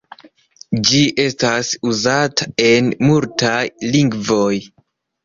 Ĝi estas uzata en multaj lingvoj.